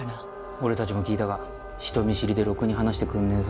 俺たちも聞いたが人見知りでろくに話してくんねえぞ。